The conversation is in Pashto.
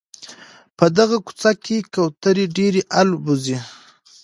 په دغه کوڅه کي کوتري ډېري البوځي.